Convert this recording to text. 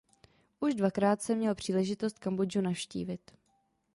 Už dvakrát jsem měl příležitost Kambodžu navštívit.